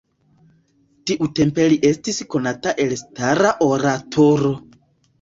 Tiutempe li estis konata elstara oratoro.